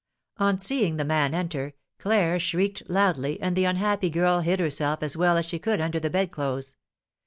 On seeing the man enter, Claire shrieked loudly, and the unhappy girl hid herself as well as she could under the bedclothes.